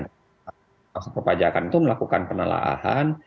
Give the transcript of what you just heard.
komite pengawasan perpajakan itu melakukan penelahan